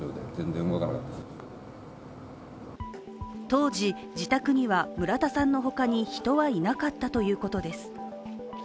当時、自宅には村田さんのほかに人はいなかったということです。